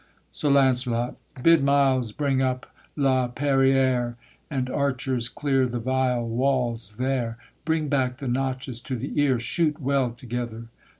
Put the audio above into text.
SIR LAUNCELOT. Bid Miles bring up la perriere, And archers clear the vile walls there. Bring back the notches to the ear, Shoot well together!